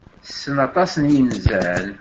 Tessen aṭas n yinzan.